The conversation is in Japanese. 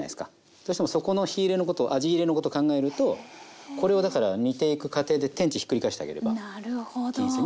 どうしてもそこの火入れのこと味入れのこと考えるとこれをだから煮ていく過程で天地ひっくり返してあげればいいですね